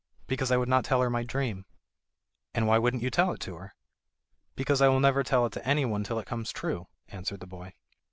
"Because I would not tell her my dream." "And why wouldn't you tell it to her?" "Because I will never tell it to anyone till it comes true," answered the boy.